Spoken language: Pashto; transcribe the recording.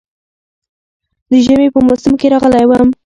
د ژمي په موسم کې راغلی وم.